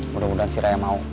mudah mudahan si raya mau